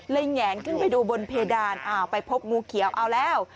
เลยแหงขึ้นไปดูบนเพดานไปพบงูเขียวเอาแล้ว